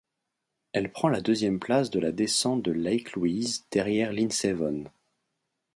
Elle prend la deuxième place de la descente de Lake Louise derrière Lindsey Vonn.